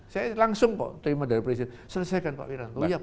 saya langsung kok terima dari presiden selesaikan pak wiranto